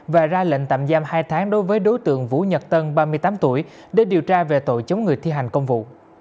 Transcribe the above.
và ra lệnh tạm giam hai tháng đối với đối tượng vũ nhật tân ba mươi tám tuổi để điều tra về tội chống người thi hành công vụ